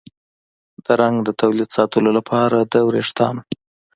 د رنګ د تولید ساتلو لپاره د ویښتانو